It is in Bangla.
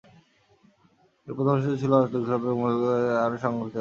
এর প্রধান উদ্দেশ্য ছিল দক্ষিণ আফ্রিকায় মহিলাদের ক্রিকেটকে আরও সংগঠিত করা।